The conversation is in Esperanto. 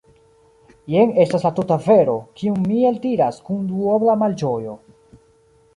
Jen estas la tuta vero, kiun mi eldiras kun duobla malĝojo.